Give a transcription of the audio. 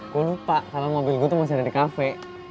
gue lupa karena mobil gue tuh masih ada di kafe